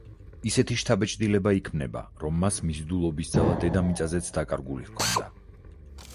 ისეთი შთაბეჭდილება იქმნება, რომ მას მიზიდულობის ძალა დედამიწაზეც დაკარგული ჰქონდა.